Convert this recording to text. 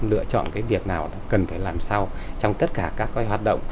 lựa chọn cái việc nào là cần phải làm sau trong tất cả các cái hoạt động